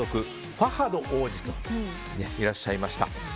ファハド王子がいらっしゃいました。